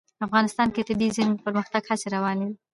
افغانستان کې د طبیعي زیرمې د پرمختګ هڅې روانې دي.